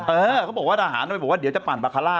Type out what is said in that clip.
เออเขาบอกว่าอาหารหรือบอกว่าเดี๋ยวจะปั่นลัคคาล่า